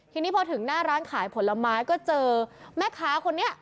ทีนี้พอถึงหน้าร้านขายผลไม้ก็เจอแม่ค้าคนนี้